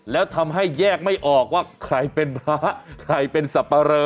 แล้วทำให้แยกไม่ออกว่าใครเป็นพระใครเป็นสับปะเรอ